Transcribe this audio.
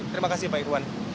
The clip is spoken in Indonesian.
terima kasih pak irwan